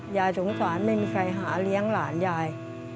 ยายสงสารไม่มีใครหาเลี้ยงหลานยาย